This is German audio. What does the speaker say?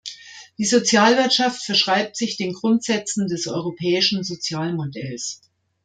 Die Sozialwirtschaft verschreibt sich den Grundsätzen des europäischen Sozialmodells.